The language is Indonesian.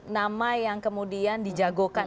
nama yang kemudian dijagokan